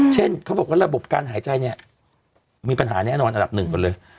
เช่นเขาบอกว่าระบบการหายใจเนี่ยมีปัญหาแน่นอนอันดับหนึ่งก่อนเลย